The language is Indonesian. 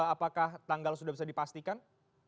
apakah tanggal sudah bisa dipastikan